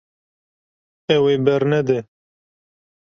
Ew ê bernede.